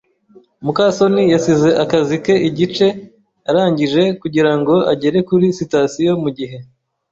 muka soni yasize akazi ke igice arangije kugirango agere kuri sitasiyo mugihe.